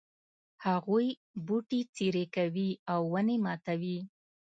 هغوی بوټي څیري کوي او ونې ماتوي